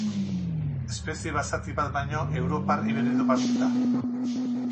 Espezie basati bat baino europar hibrido bat da.